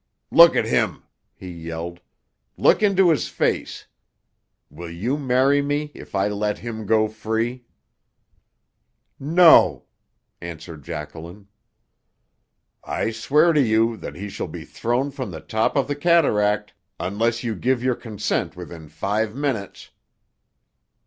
"Look at him!" he yelled. "Look into his face. Will you marry me if I let him go free?" "No!" answered Jacqueline. "I swear to you that he shall be thrown from the top of the cataract unless you give your consent within five minutes."